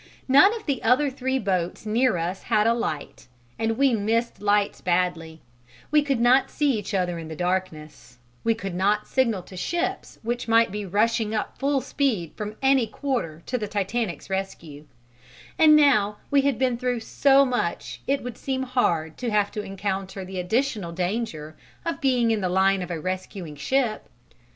None of the other three boats near us had a light and we missed lights badly: we could not see each other in the darkness; we could not signal to ships which might be rushing up full speed from any quarter to the Titanic's rescue; and now we had been through so much it would seem hard to have to encounter the additional danger of being in the line of a rescuing ship.